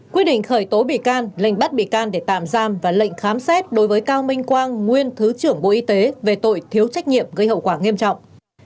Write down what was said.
quyết định khởi tố bị can lệnh bắt bị can để tạm giam và lệnh khám xét đối với cao minh quang nguyên thứ trưởng bộ y tế về tội thiếu trách nhiệm gây hậu quả nghiêm trọng